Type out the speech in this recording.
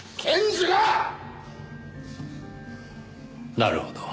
なるほど。